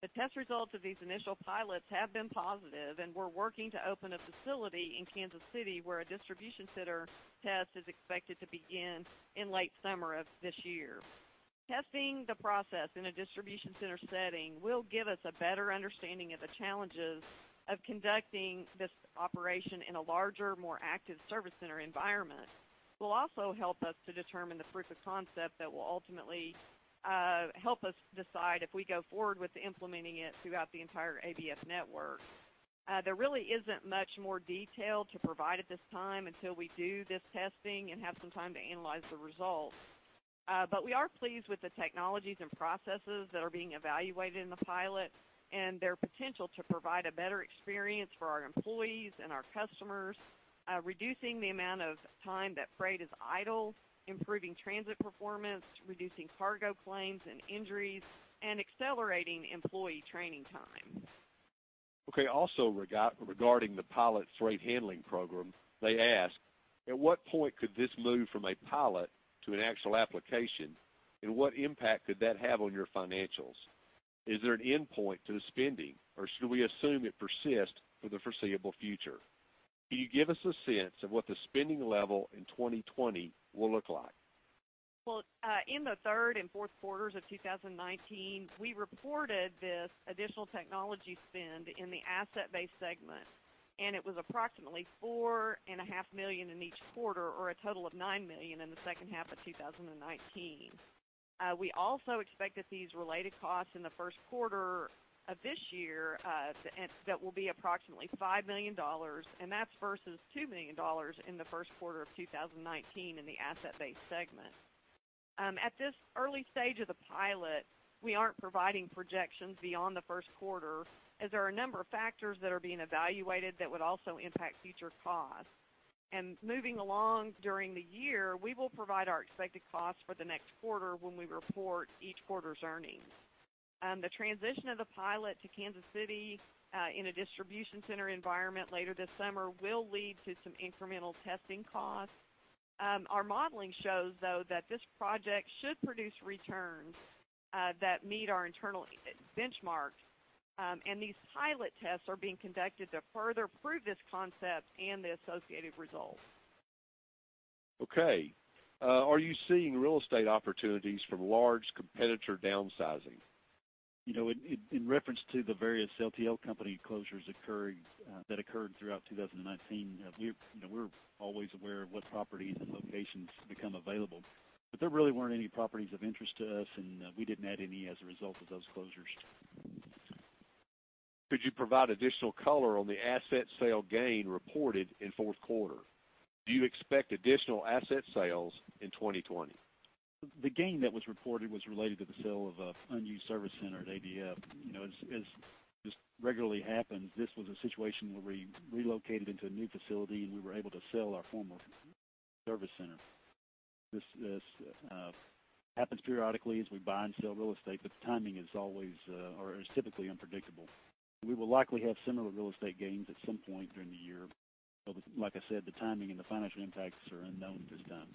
The test results of these initial pilots have been positive, and we're working to open a facility in Kansas City, where a distribution center test is expected to begin in late summer of this year. Testing the process in a distribution center setting will give us a better understanding of the challenges of conducting this operation in a larger, more active service center environment. Will also help us to determine the proof of concept that will ultimately, help us decide if we go forward with implementing it throughout the entire ABF network. There really isn't much more detail to provide at this time until we do this testing and have some time to analyze the results. But we are pleased with the technologies and processes that are being evaluated in the pilot and their potential to provide a better experience for our employees and our customers, reducing the amount of time that freight is idle, improving transit performance, reducing cargo claims and injuries, and accelerating employee training time. Okay, also regarding the pilot freight handling program, they ask, "At what point could this move from a pilot to an actual application, and what impact could that have on your financials? Is there an endpoint to the spending, or should we assume it persists for the foreseeable future? Can you give us a sense of what the spending level in 2020 will look like? Well, in the third and fourth quarters of 2019, we reported this additional technology spend in the Asset-Based segment, and it was approximately $4.5 million in each quarter, or a total of $9 million in the second half of 2019. We also expect that these related costs in the first quarter of this year, and that will be approximately $5 million, and that's versus $2 million in the first quarter of 2019 in the Asset-Based segment. At this early stage of the pilot, we aren't providing projections beyond the first quarter, as there are a number of factors that are being evaluated that would also impact future costs. Moving along during the year, we will provide our expected costs for the next quarter when we report each quarter's earnings. The transition of the pilot to Kansas City, in a distribution center environment later this summer will lead to some incremental testing costs. Our modeling shows, though, that this project should produce returns, that meet our internal benchmarks, and these pilot tests are being conducted to further prove this concept and the associated results. Okay. Are you seeing real estate opportunities from large competitor downsizing? You know, in reference to the various LTL company closures occurred, that occurred throughout 2019, you know, we're always aware of what properties and locations become available, but there really weren't any properties of interest to us, and we didn't add any as a result of those closures. Could you provide additional color on the asset sale gain reported in fourth quarter? Do you expect additional asset sales in 2020? The gain that was reported was related to the sale of an unused service center at ABF. You know, as just regularly happens, this was a situation where we relocated into a new facility, and we were able to sell our former service center. This happens periodically as we buy and sell real estate, but the timing is always, or is typically unpredictable. We will likely have similar real estate gains at some point during the year. But like I said, the timing and the financial impacts are unknown at this time.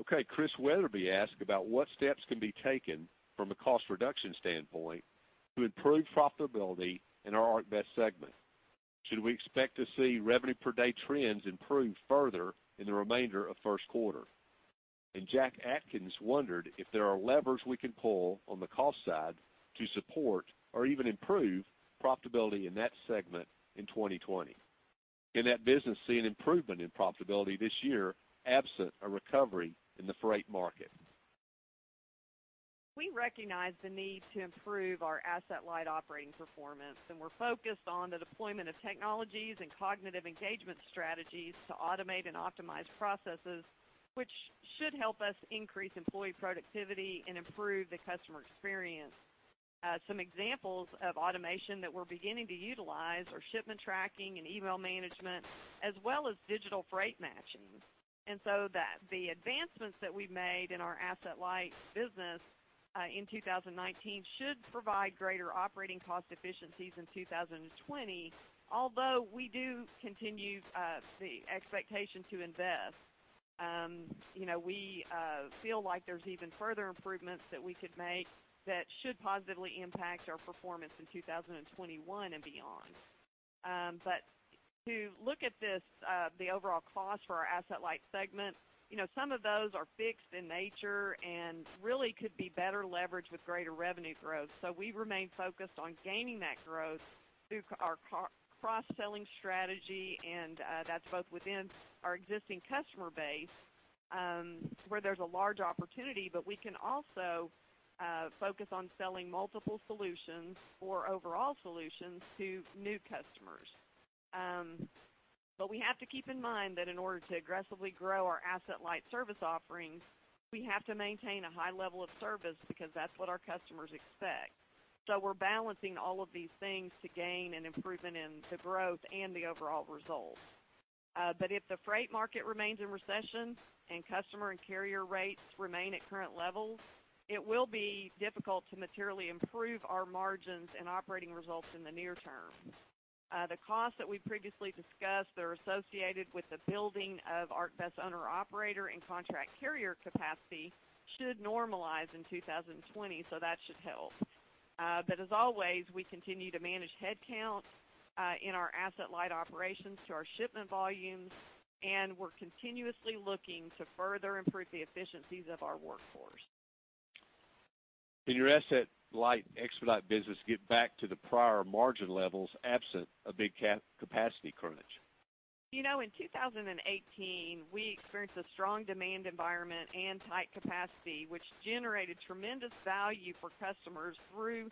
Okay, Chris Wetherbee asked about what steps can be taken from a cost reduction standpoint to improve profitability in our ArcBest segment. Should we expect to see revenue per day trends improve further in the remainder of first quarter? And Jack Atkins wondered if there are levers we can pull on the cost side to support or even improve profitability in that segment in 2020. Can that business see an improvement in profitability this year, absent a recovery in the freight market? We recognize the need to improve our Asset-Light operating performance, and we're focused on the deployment of technologies and cognitive engagement strategies to automate and optimize processes, which should help us increase employee productivity and improve the customer experience. Some examples of automation that we're beginning to utilize are shipment tracking and email management, as well as digital freight matching. And so that the advancements that we've made in our Asset-Light business in 2019 should provide greater operating cost efficiencies in 2020. Although we do continue the expectation to invest, you know, we feel like there's even further improvements that we could make that should positively impact our performance in 2021 and beyond. But to look at this, the overall cost for our Asset-Light segment, you know, some of those are fixed in nature and really could be better leveraged with greater revenue growth. So we remain focused on gaining that growth through our cross-selling strategy, and that's both within our existing customer base, where there's a large opportunity, but we can also focus on selling multiple solutions or overall solutions to new customers. But we have to keep in mind that in order to aggressively grow our Asset-Light service offerings, we have to maintain a high level of service because that's what our customers expect. So we're balancing all of these things to gain an improvement in the growth and the overall results. But if the freight market remains in recession and customer and carrier rates remain at current levels, it will be difficult to materially improve our margins and operating results in the near term. The costs that we previously discussed that are associated with the building of ArcBest owner-operator and contract carrier capacity should normalize in 2020, so that should help. But as always, we continue to manage headcount in our Asset-Light operations to our shipment volumes, and we're continuously looking to further improve the efficiencies of our workforce. Can your Asset-Light expedite business get back to the prior margin levels absent a big cap capacity crunch? You know, in 2018, we experienced a strong demand environment and tight capacity, which generated tremendous value for customers through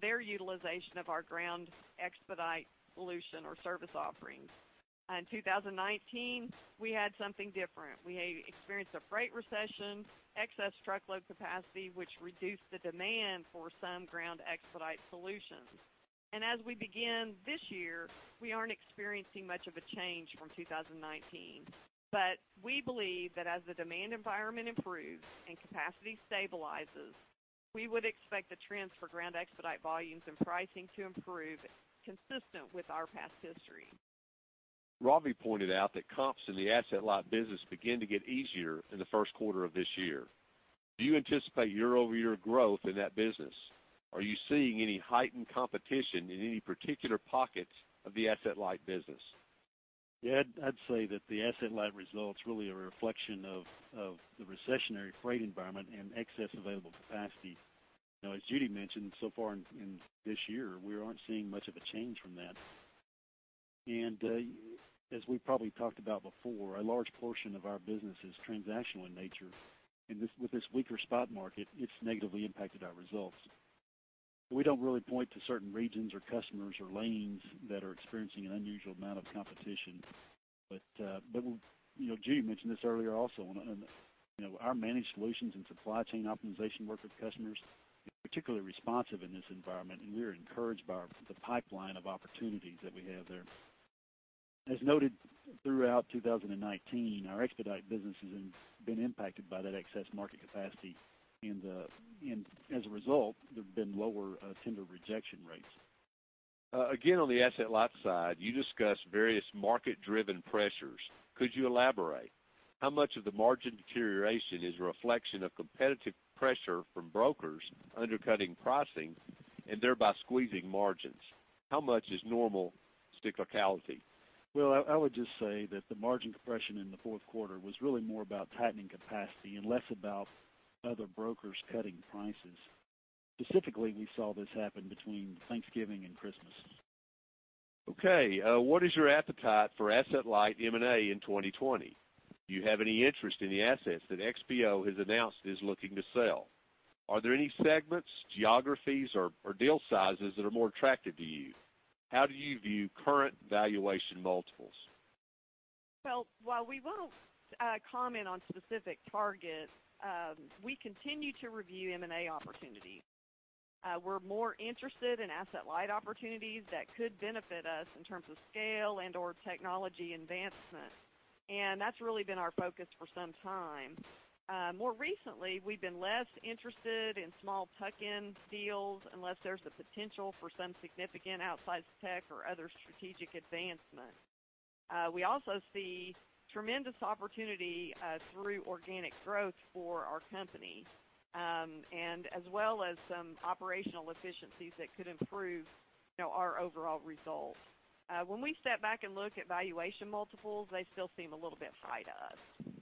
their utilization of our ground expedite solution or service offerings. In 2019, we had something different. We experienced a freight recession, excess truckload capacity, which reduced the demand for some ground expedite solutions. As we begin this year, we aren't experiencing much of a change from 2019. But we believe that as the demand environment improves and capacity stabilizes, we would expect the trends for ground expedite volumes and pricing to improve consistent with our past history. Ravi pointed out that comps in the Asset-Light business begin to get easier in the first quarter of this year. Do you anticipate year-over-year growth in that business? Are you seeing any heightened competition in any particular pockets of the Asset-Light business? Yeah, I'd say that the Asset-Light results are really a reflection of the recessionary freight environment and excess available capacity. Now, as Judy mentioned, so far in this year, we aren't seeing much of a change from that. And, as we probably talked about before, a large portion of our business is transactional in nature, and with this weaker spot market, it's negatively impacted our results. We don't really point to certain regions or customers or lanes that are experiencing an unusual amount of competition. But, you know, Judy mentioned this earlier also, and, you know, our managed solutions and supply chain optimization work with customers, particularly responsive in this environment, and we are encouraged by the pipeline of opportunities that we have there. As noted throughout 2019, our Expedite business has been impacted by that excess market capacity. And as a result, there have been lower tender rejection rates. Again, on the Asset-Light side, you discussed various market-driven pressures. Could you elaborate? How much of the margin deterioration is a reflection of competitive pressure from brokers undercutting pricing and thereby squeezing margins? How much is normal cyclicality? Well, I would just say that the margin compression in the fourth quarter was really more about tightening capacity and less about other brokers cutting prices. Specifically, we saw this happen between Thanksgiving and Christmas. Okay, what is your appetite for Asset-Light M&A in 2020? Do you have any interest in the assets that XPO has announced it is looking to sell? Are there any segments, geographies, or deal sizes that are more attractive to you? How do you view current valuation multiples? Well, while we won't comment on specific targets, we continue to review M&A opportunities. We're more interested in Asset-Light opportunities that could benefit us in terms of scale and/or technology advancement. That's really been our focus for some time. More recently, we've been less interested in small tuck-in deals unless there's the potential for some significant outsized tech or other strategic advancement. We also see tremendous opportunity through organic growth for our company, and as well as some operational efficiencies that could improve, you know, our overall results. When we step back and look at valuation multiples, they still seem a little bit high to us.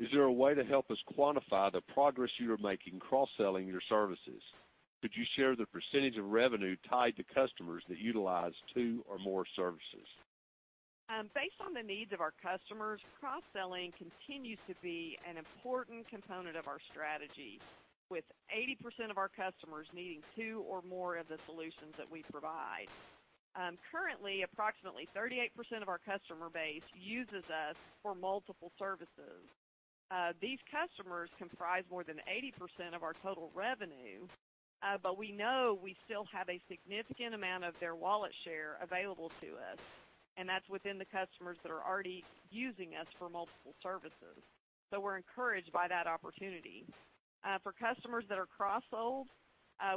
Is there a way to help us quantify the progress you are making cross-selling your services? Could you share the percentage of revenue tied to customers that utilize two or more services? Based on the needs of our customers, cross-selling continues to be an important component of our strategy, with 80% of our customers needing two or more of the solutions that we provide. Currently, approximately 38% of our customer base uses us for multiple services. These customers comprise more than 80% of our total revenue, but we know we still have a significant amount of their wallet share available to us, and that's within the customers that are already using us for multiple services. So we're encouraged by that opportunity. For customers that are cross-sold,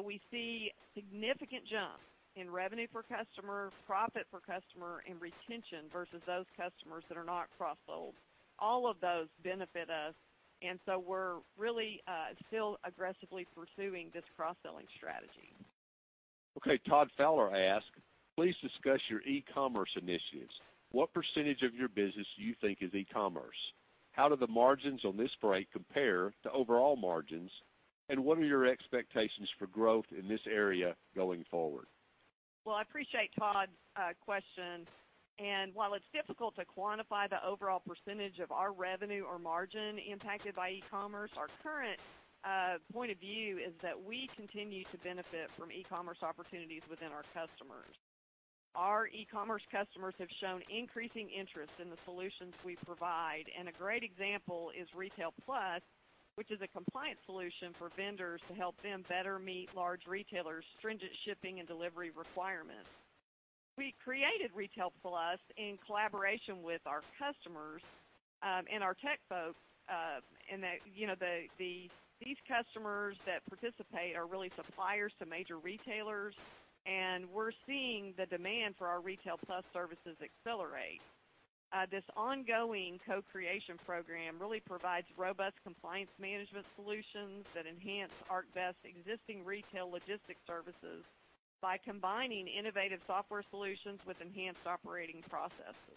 we see significant jumps in revenue per customer, profit per customer, and retention versus those customers that are not cross-sold. All of those benefit us, and so we're really still aggressively pursuing this cross-selling strategy. Okay, Todd Fowler asked, "Please discuss your e-commerce initiatives. What percentage of your business do you think is e-commerce? How do the margins on this freight compare to overall margins, and what are your expectations for growth in this area going forward? Well, I appreciate Todd's question. And while it's difficult to quantify the overall percentage of our revenue or margin impacted by e-commerce, our current point of view is that we continue to benefit from e-commerce opportunities within our customers. Our e-commerce customers have shown increasing interest in the solutions we provide, and a great example is Retail Plus, which is a compliance solution for vendors to help them better meet large retailers' stringent shipping and delivery requirements. We created Retail Plus in collaboration with our customers, and our tech folks, and that, you know, these customers that participate are really suppliers to major retailers, and we're seeing the demand for our Retail Plus services accelerate. This ongoing co-creation program really provides robust compliance management solutions that enhance ArcBest existing retail logistics services by combining innovative software solutions with enhanced operating processes.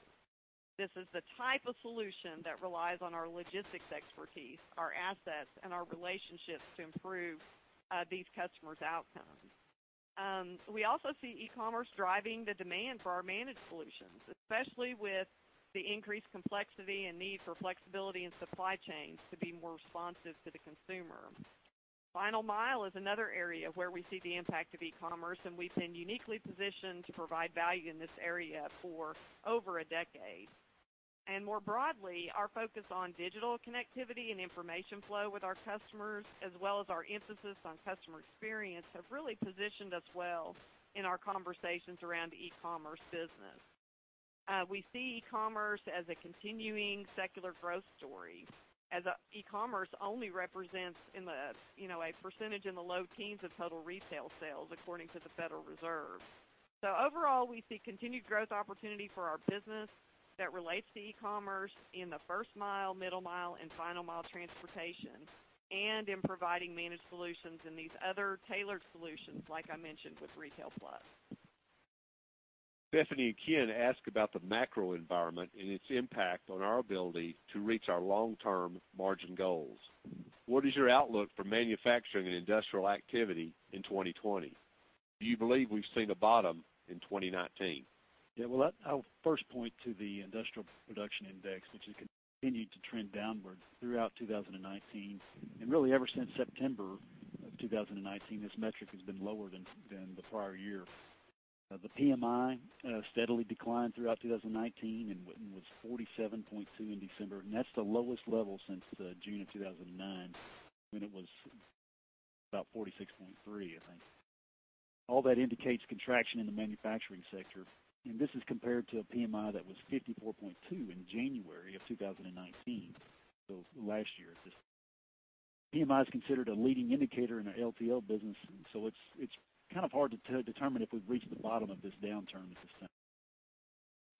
This is the type of solution that relies on our logistics expertise, our assets, and our relationships to improve these customers' outcomes. We also see e-commerce driving the demand for our managed solutions, especially with the increased complexity and need for flexibility in supply chains to be more responsive to the consumer. Final mile is another area where we see the impact of e-commerce, and we've been uniquely positioned to provide value in this area for over a decade. More broadly, our focus on digital connectivity and information flow with our customers, as well as our emphasis on customer experience, have really positioned us well in our conversations around the e-commerce business. We see e-commerce as a continuing secular growth story, as e-commerce only represents, you know, a percentage in the low teens of total retail sales, according to the Federal Reserve. Overall, we see continued growth opportunity for our business that relates to e-commerce in the first mile, middle mile, and final mile transportations, and in providing managed solutions in these other tailored solutions, like I mentioned with Retail Plus. Stephanie Benjamin asked about the macro environment and its impact on our ability to reach our long-term margin goals. What is your outlook for manufacturing and industrial activity in 2020? Do you believe we've seen a bottom in 2019? Yeah, well, I'll first point to the Industrial Production Index, which has continued to trend downward throughout 2019. And really, ever since September 2019, this metric has been lower than the prior year. The PMI steadily declined throughout 2019 and was 47.2 in December, and that's the lowest level since June 2009, when it was about 46.3, I think. All that indicates contraction in the manufacturing sector, and this is compared to a PMI that was 54.2 in January 2019. So last year, this PMI is considered a leading indicator in the LTL business, and so it's kind of hard to determine if we've reached the bottom of this downturn this time.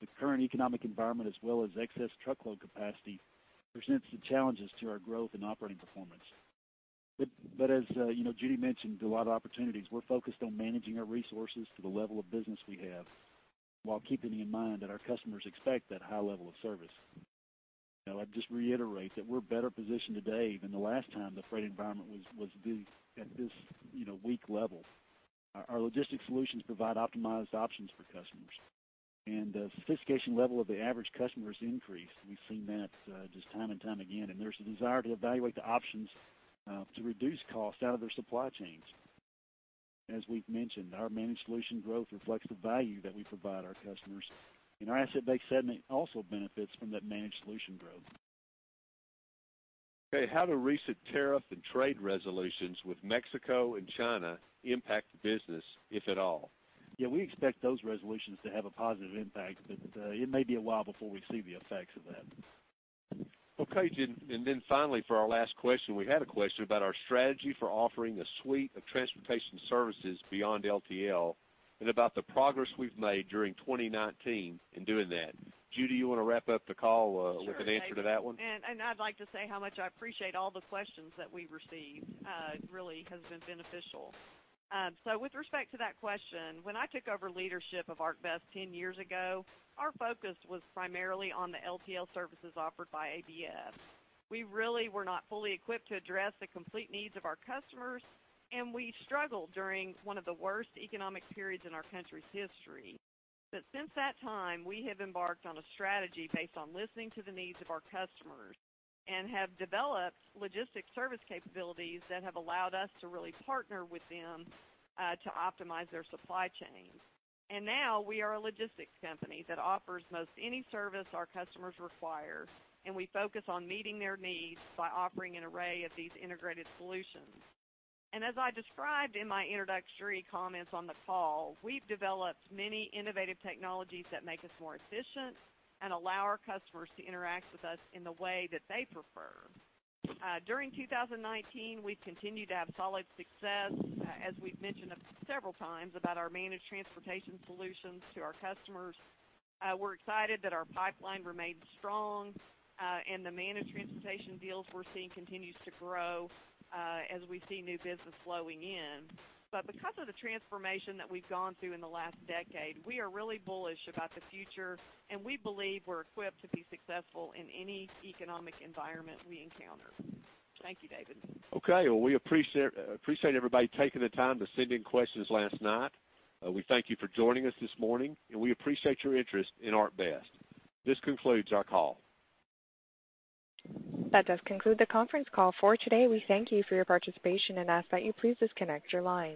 The current economic environment, as well as excess truckload capacity, presents some challenges to our growth and operating performance. But as, you know, Judy mentioned, a lot of opportunities. We're focused on managing our resources to the level of business we have, while keeping in mind that our customers expect that high level of service. Now, I'd just reiterate that we're better positioned today than the last time the freight environment was this at this, you know, weak level. Our logistics solutions provide optimized options for customers, and the sophistication level of the average customer has increased. We've seen that just time and time again, and there's a desire to evaluate the options to reduce costs out of their supply chains. As we've mentioned, our managed solution growth reflects the value that we provide our customers, and our Asset-Based segment also benefits from that managed solution growth. Okay, how do recent tariff and trade resolutions with Mexico and China impact the business, if at all? Yeah, we expect those resolutions to have a positive impact, but it may be a while before we see the effects of that. Okay, and then finally, for our last question, we had a question about our strategy for offering a suite of transportation services beyond LTL, and about the progress we've made during 2019 in doing that. Judy, you wanna wrap up the call with an answer to that one? Sure, and I'd like to say how much I appreciate all the questions that we received. It really has been beneficial. So with respect to that question, when I took over leadership of ArcBest 10 years ago, our focus was primarily on the LTL services offered by ABF. We really were not fully equipped to address the complete needs of our customers, and we struggled during one of the worst economic periods in our country's history. But since that time, we have embarked on a strategy based on listening to the needs of our customers, and have developed logistics service capabilities that have allowed us to really partner with them, to optimize their supply chains. And now we are a logistics company that offers most any service our customers require, and we focus on meeting their needs by offering an array of these integrated solutions. As I described in my introductory comments on the call, we've developed many innovative technologies that make us more efficient and allow our customers to interact with us in the way that they prefer. During 2019, we've continued to have solid success, as we've mentioned several times, about our managed transportation solutions to our customers. We're excited that our pipeline remained strong, and the managed transportation deals we're seeing continues to grow, as we see new business flowing in. But because of the transformation that we've gone through in the last decade, we are really bullish about the future, and we believe we're equipped to be successful in any economic environment we encounter. Thank you, David. Okay. Well, we appreciate, appreciate everybody taking the time to send in questions last night. We thank you for joining us this morning, and we appreciate your interest in ArcBest. This concludes our call. That does conclude the conference call for today. We thank you for your participation and ask that you please disconnect your lines.